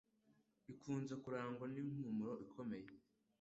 ikunze kurangwa n'impumuro ikomeye